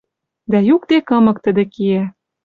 Дӓ юкде кымык тӹдӹ киӓ...